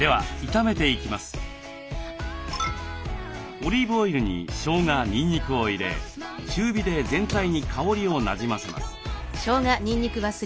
オリーブオイルにしょうがにんにくを入れ中火で全体に香りをなじませます。